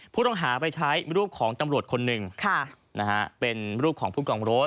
ผู้ต้องหาไปใช้รูปของตำรวจคนหนึ่งเป็นรูปของผู้กองโรด